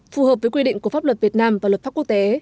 phù hợp với quy định của pháp luật việt nam và luật pháp quốc tế